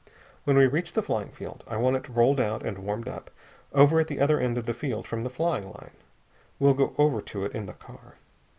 When we reach the flying field I want it rolled out and warmed up, over at the other end of the field from the flying line. We'll go over to it in the car.